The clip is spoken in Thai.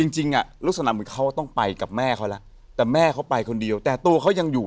จริงอ่ะลักษณะเหมือนเขาต้องไปกับแม่เขาแล้วแต่แม่เขาไปคนเดียวแต่ตัวเขายังอยู่